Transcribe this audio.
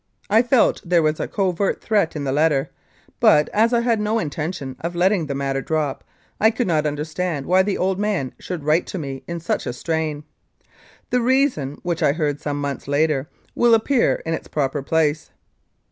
I felt there was a covert threat in the letter, but as I had no intention of letting the matter drop, I could not understand why the old man should write to me in such a strain. The reason, which I heard some months later, will appear in its proper place.